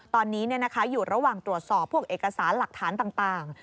ตอนนี้อยู่ระหว่างตรวจสอบพวกเอกสารหลักฐานต่าง